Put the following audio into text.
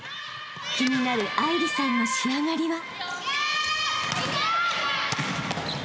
［気になる愛梨さんの仕上がりは？］